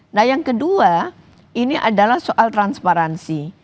nah yang kedua ini adalah soal transparansi